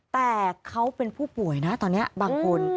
แต่เขาเป็นผู้ป่วยนะตอนนี้บางคน